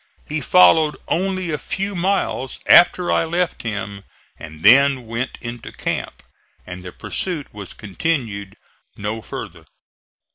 He followed only a few miles after I left him and then went into camp, and the pursuit was continued no further.